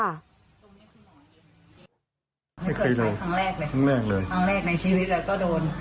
ไม่เคยใช้ครั้งแรกเลยครั้งแรกในชีวิตเราก็โดน